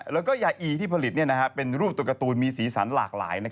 แล้วก็ยาอีที่ผลิตเป็นรูปตัวการ์ตูนมีสีสันหลากหลาย